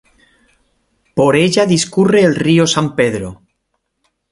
Por ella discurre el río San Pedro.